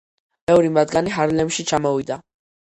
ბევრი მათგანი ჰარლემში ჩამოვიდა.